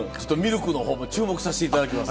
ＬＫの方も注目させていただきます。